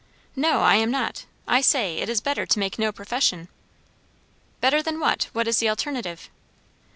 "No, I am not! I say, it is better to make no profession." "Better than what? What is the alternative?"